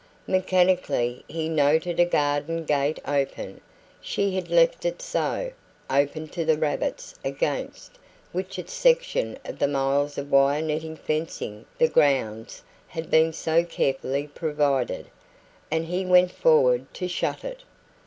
Mechanically he noted a garden gate open she had left it so open to the rabbits against which its section of the miles of wire netting fencing the grounds had been so carefully provided, and he went forward to shut it.